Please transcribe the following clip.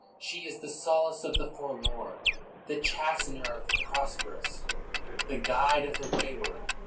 She is the sol ace of the forlorn, the chastener of the pros perous, and the guide of the waj'ward.